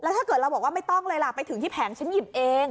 ถ้าเกิดเราบอกว่าไม่ต้องเลยล่ะไปถึงที่แผงฉันหยิบเอง